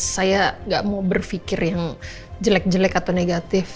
saya gak mau berpikir yang jelek jelek atau negatif